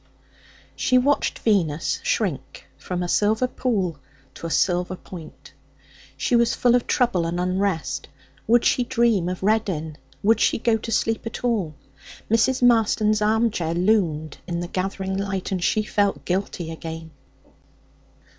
She watched Venus shrink from a silver pool to a silver point. She was full of trouble and unrest. Would she dream of Reddin? Would she go to sleep at all? Mrs. Marston's armchair loomed in the gathering light, and she felt guilty again.